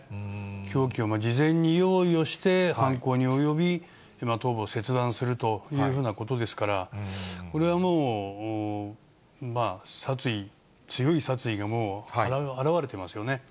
凶器を事前に用意をして、犯行に及び、頭部を切断するということですから、これはもう、まあ、殺意、強い殺意がもう、表れてますよね。